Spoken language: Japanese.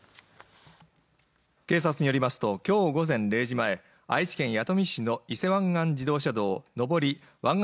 警察によりますときょう午前０時前愛知県弥富市の伊勢湾岸自動車道上り湾岸